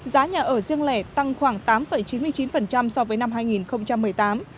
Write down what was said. giá nhà ở riêng lẻ tăng khoảng tám chín mươi chín so với năm hai nghìn một mươi tám